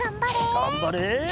がんばれ！